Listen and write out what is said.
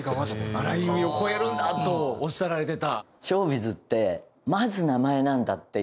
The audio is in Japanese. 「荒井由実を超えるんだ」とおっしゃられてた。